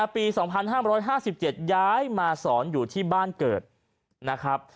ปี๒๕๕๗ย้ายมาสอนอยู่ที่บ้านเกิดนะครับ